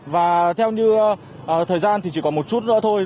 và theo như thời gian thì chỉ còn một chút nữa thôi